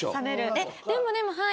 えっでもでもはい。